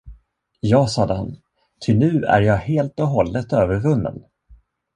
Ja, sade han, ty nu är jag helt och hållet övervunnen.